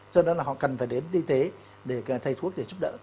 cho nên là họ cần phải đến y tế để thầy thuốc để giúp đỡ